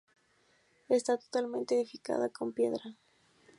Está totalmente edificada en piedra.